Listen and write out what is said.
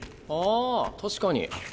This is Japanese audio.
ああ確かに。